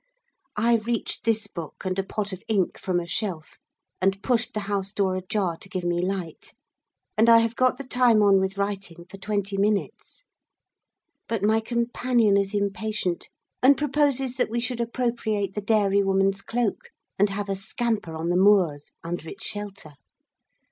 I reached this book, and a pot of ink from a shelf, and pushed the house door ajar to give me light, and I have got the time on with writing for twenty minutes; but my companion is impatient, and proposes that we should appropriate the dairywoman's cloak, and have a scamper on the moors, under its shelter.